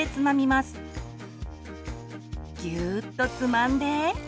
ギューッとつまんで。